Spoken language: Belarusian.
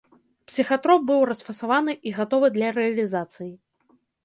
Псіхатроп быў расфасаваны і гатовы для рэалізацыі.